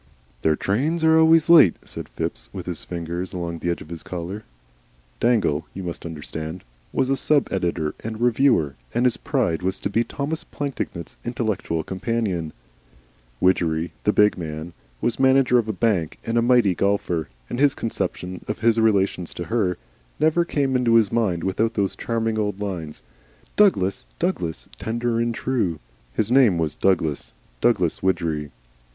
"Their trains are always late," said Phipps, with his fingers along the edge of his collar. Dangle, you must understand, was a sub editor and reviewer, and his pride was to be Thomas Plantagenet's intellectual companion. Widgery, the big man, was manager of a bank and a mighty golfer, and his conception of his relations to her never came into his mind without those charming oldlines, "Douglas, Douglas, tender and true," falling hard upon its heels. His name was Douglas Douglas Widgery.